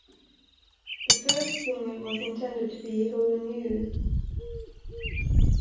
The first single was intended to be Who Knew.